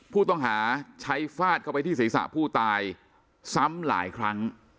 ผู้ต้องหาใช้ฟาดเข้าไปที่ศีรษะผู้ตายซ้ำหลายครั้ง